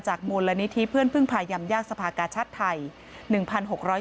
มูลนิธิเพื่อนพึ่งพายำยากสภากาชาติไทย